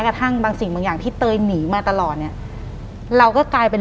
หลังจากนั้นเราไม่ได้คุยกันนะคะเดินเข้าบ้านอืม